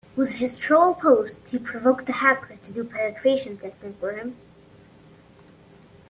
With his troll post he provoked the hackers to do penetration testing for him.